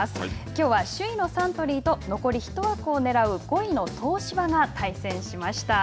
きょうは首位のサントリーと残り１枠をねらう５位の東芝が対戦しました。